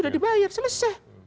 sudah dibayar selesai